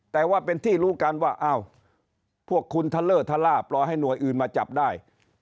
แต่ว่าเป็นที่รู้กันว่าอ้าวพวกคุณทะเลอร์ทะล่าปล่อยให้หน่วยอื่นมาจับได้